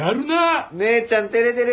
姉ちゃん照れてる。